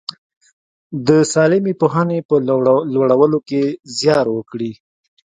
د سالمې پوهنې په لوړولو کې زیار وکړي.